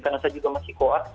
karena saya juga masih koas